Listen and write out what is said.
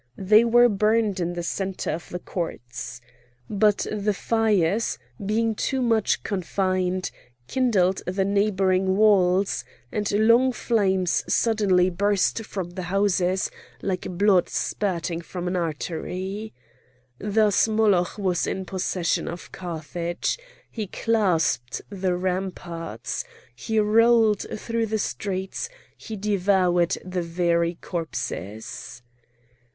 They were burned in the centre of the courts. But the fires, being too much confined, kindled the neighbouring walls, and long flames suddenly burst from the houses like blood spurting from an artery. Thus Moloch was in possession of Carthage; he clasped the ramparts, he rolled through the streets, he devoured the very corpses.